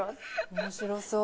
面白そう。